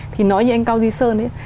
thì nói như anh cao duy sơn ấy